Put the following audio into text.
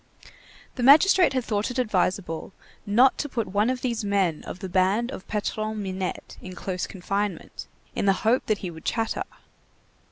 The magistrate had thought it advisable not to put one of these men of the band of Patron Minette in close confinement, in the hope that he would chatter.